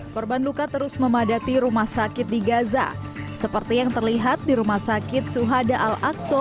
korban luka terus memadati rumah sakit di gaza seperti yang terlihat di rumah sakit suhada al aqsa